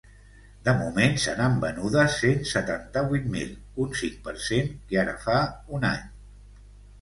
De moment, se n’han venudes cent setanta-vuit mil, un cinc per cent que ara fa un any.